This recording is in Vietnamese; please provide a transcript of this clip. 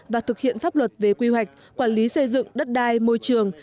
và thực hiện pháp luật về quy hoạch quản lý xây dựng đất đai môi trường